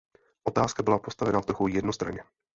Otázka byla postavena trochu jednostranně.